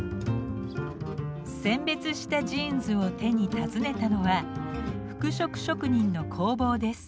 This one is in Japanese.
選別したジーンズを手に訪ねたのは服飾職人の工房です。